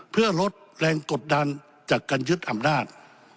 เพื่อลดแรงกดดันจากการยึดอำนาจ